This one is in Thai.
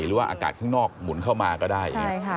หรือว่าอากาศข้างนอกหมุนเข้ามาก็ได้